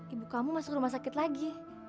ibu kamu masuk rumah sakit lagi